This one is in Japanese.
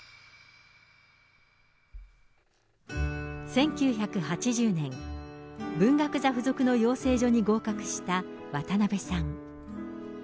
１９８０年、文学座付属の養成所に合格した渡辺さん。